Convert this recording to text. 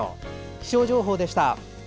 気象情報でした。